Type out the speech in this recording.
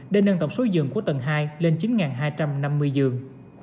để nâng tổng số giường của tầng hai lên chín hai trăm năm mươi giường